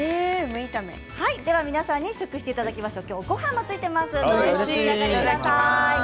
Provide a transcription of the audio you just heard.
皆さんに試食していただきましょう。